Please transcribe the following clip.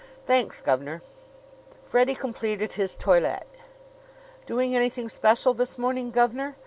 "Thanks, gov'nor." Freddie completed his toilet. "Doing anything special this morning, gov'nor?